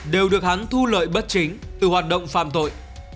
đều được hắn thu lợi bất chính từ hoạt động phạm tội